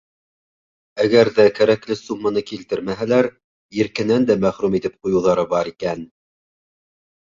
Әгәр ҙә кәрәкле сумманы килтермәһәләр, иркенән дә мәхрүм итеп ҡуйыуҙары бар икән.